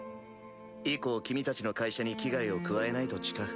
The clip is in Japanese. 以降君たちの会社に危害を加えないと誓う。